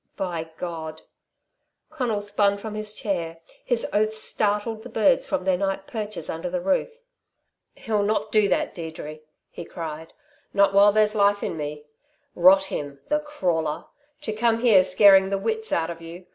"By God " Conal spun from his chair. His oaths startled the birds from their night perches under the roof. "He'll not do that, Deirdre!" he cried. "Not while there's life in me. Rot him the crawler! To come here scaring the wits out of you.